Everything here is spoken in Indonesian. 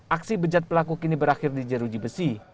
aksi bejat pelaku kini berakhir di jeruji besi